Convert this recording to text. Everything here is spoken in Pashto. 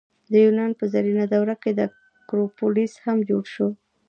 د یونان په زرینه دوره کې اکروپولیس هم جوړ شو.